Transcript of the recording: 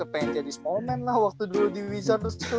pengen jadi small man lah waktu dulu di wizard